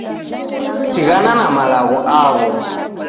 Sighana na malagho agho